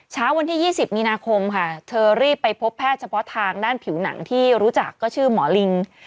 เช้าวันที่๒๐มีนาคมค่ะเธอรีบไปพบแพทย์เฉพาะทางด้านผิวหนังที่รู้จักก็ชื่อหมอลิง